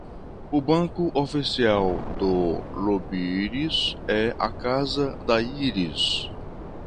o banco oficial do lobiris é a casa da íris